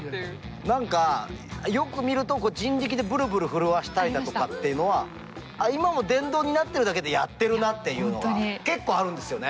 何かよく見ると人力でぶるぶる震わせたりだとかっていうのは今も電動になってるだけでやってるなっていうのは結構あるんですよね。